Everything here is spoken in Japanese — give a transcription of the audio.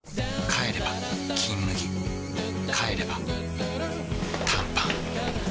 帰れば「金麦」帰れば短パン